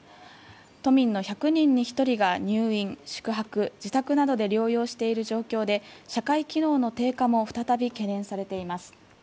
都民の１００人に１人が入院、宿泊自宅などで療養している状況で社会機能の低下も再び懸念されています。